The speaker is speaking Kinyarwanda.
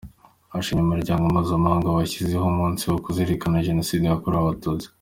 Ashimye umuryango mpuzamahanga washyizeho umunsi wo kuzirikana Jenoside yakorewe Abatutsi.